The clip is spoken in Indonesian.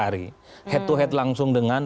karena itu itu adalah hal yang harus diperhatikan